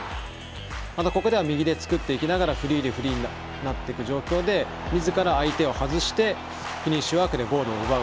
またここでは右で作っていきながらフリーになっていく状況でみずから相手を外してフィニッシュワークでゴールを奪う。